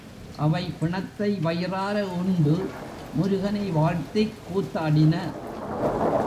அவை பிணத்தை வயிறார உண்டு, முருகனை வாழ்த்திக் கூத்தாடின.